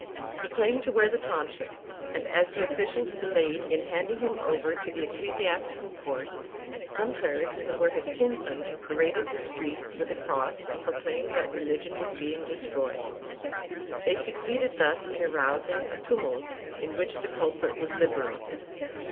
He claimed to wear the tonsure and, as the officials delayed in handing him over to the ecclesiastical court, some clerics who were his kinsmen paraded the streets with a cross and pro claimed that religion was being destroyed. They succeeded thus in arousing a tumult in which the culprit was liberated.